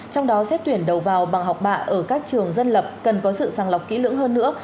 trong đó xét tuyển đầu vào bằng học bạ ở các trường dân lập cần có sự sàng lọc kỹ lưỡng hơn nữa